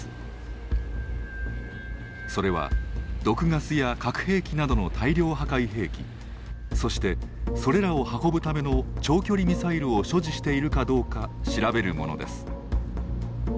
それは毒ガスや核兵器などの大量破壊兵器そしてそれらを運ぶための長距離ミサイルを所持しているかどうか調べるものです。